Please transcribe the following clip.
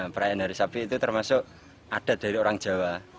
perayaan hari sapi itu termasuk ada dari orang jawa